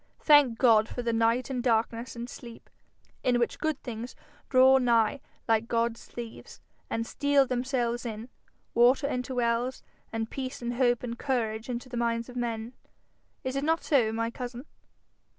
Thank God for the night and darkness and sleep, in which good things draw nigh like God's thieves, and steal themselves in water into wells, and peace and hope and courage into the minds of men. Is it not so, my cousin?'